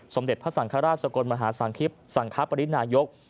สมเด็จพระสังฆราชสกลมหาสังคปรินายก